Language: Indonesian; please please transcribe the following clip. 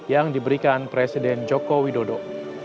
yang diberikan presiden joko widodo